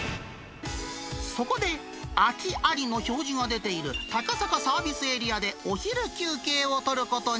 そこで、空きありの表示が出ている、高坂サービスエリアでお昼休憩を取ることに。